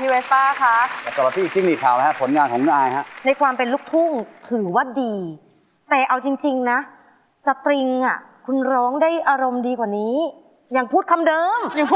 พี่ใส่แมสก์เลยไม่เห็นนะพี่กัดกลิ่นพีคปากอยู่